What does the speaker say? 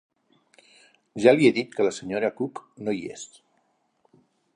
Ja li he dit que la senyora Cook no hi és.